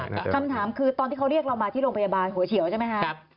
คำถามคือตอนที่เขาเรียกเรามาที่โรงพยาบาลหัวเฉียวใช่ไหมคะ